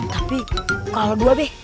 tapi kalau dua be